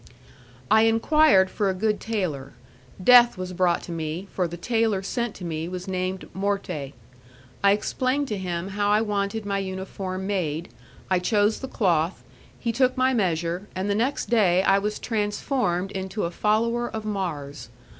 I enquired for a good tailor: death was brought to me, for the tailor sent to me was named Morte. I explained to him how I wanted my uniform made, I chose the cloth, he took my measure, and the next day I was transformed into a follower of Mars.